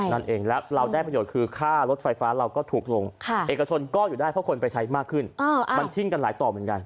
นั่นเองแล้วเราได้ประโยชน์คือค่ารถไฟฟ้าเราก็ถูกลงเอกชนก็อยู่ได้เพราะคนไปใช้มากขึ้นมันชิ่งกันหลายต่อเหมือนกัน